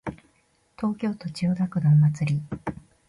東京都千代田区のお祭り